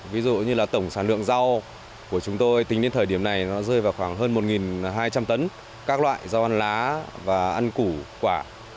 ví dụ như là tổng sản lượng rau của chúng tôi tính đến thời điểm này nó rơi vào khoảng hơn một hai trăm linh tấn các loại rau ăn lá và ăn củ quả